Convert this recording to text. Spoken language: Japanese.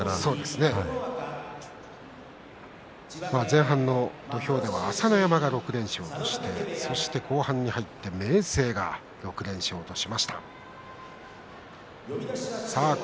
前半の土俵では朝乃山が６連勝として後半に入って明生は６連勝としました。